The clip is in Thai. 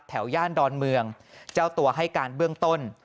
ย่านดอนเมืองเจ้าตัวให้การเบื้องต้น